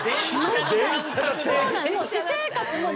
私生活も。